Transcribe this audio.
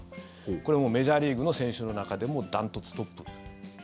これメジャーリーグの選手の中でも断トツトップ。